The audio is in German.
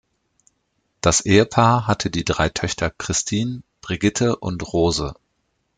Das Ehepaar hatte die drei Töchter Christin, Brigitte und Rose.